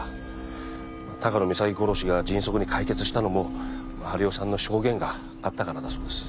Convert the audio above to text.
高野美咲殺しが迅速に解決したのも治代さんの証言があったからだそうです。